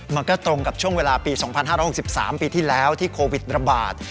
มันก็ตรงกับช่วงเวลาปี๒๕๖๓ปีที่แล้วที่โควิดระบาด